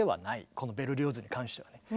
このベルリオーズに関してはね。